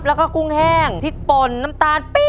แล้วก็กุ้งแห้งพริกป่นน้ำตาลปี้